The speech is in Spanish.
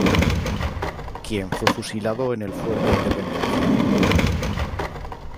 Quien fue fusilado en el Fuerte Independencia.